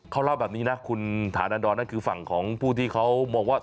เขาเล่าแบบนี้นะคุณฐานันดรนั่นคือฝั่งของผู้ที่เขามองว่า